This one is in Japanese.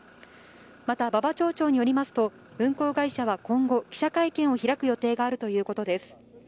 また馬場町長によりますと、運航会社は今後、記者会見を開く予定があるということです。